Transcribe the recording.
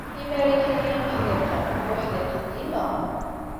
Imarikaniyen uḥdiqen d uḥdiqen dima.